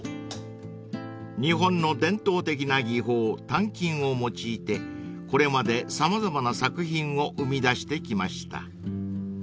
［日本の伝統的な技法鍛金を用いてこれまで様々な作品を生み出してきました］